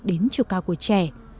đến chiều cao của trẻ